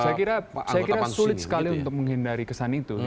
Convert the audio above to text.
saya kira sulit sekali untuk menghindari kesan itu